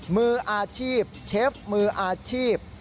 มืออาชีพเชฟมืออาชีพ